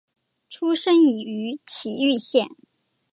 出身于崎玉县。